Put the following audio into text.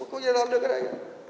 không có cố gắng đưa ra cái này